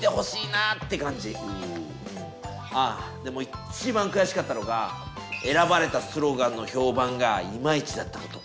ああでも一番くやしかったのが選ばれたスローガンの評判がイマイチだったこと。